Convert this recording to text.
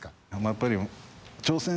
やっぱり。